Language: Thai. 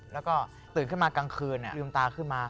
แล้วก็ตื่นขึ้นมากลางคืนลืมตาขึ้นมา